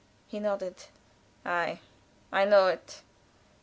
He nodded. "Ei! I know it."